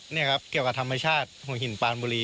นี่ครับเกี่ยวกับธรรมชาติหัวหินปานบุรี